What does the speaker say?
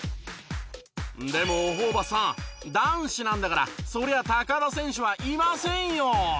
でもホーバスさん男子なんだからそりゃ田選手はいませんよ！